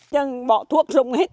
chẳng bỏ thuốc rụng hết